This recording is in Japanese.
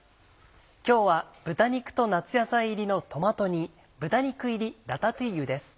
今日は豚肉と夏野菜入りのトマト煮「豚肉入りラタトゥイユ」です。